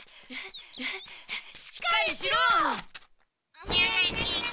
しっかりしろ！